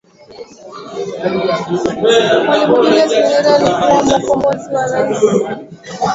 Mwalimu Julius nyerere alikuwa mkombozi na rais wa nchi ya Tanganyika